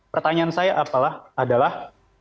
pertanyaan saya apalah adalah